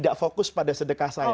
tidak fokus pada sedekah saya